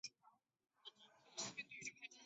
满足这个判据的数列称为柯西序列。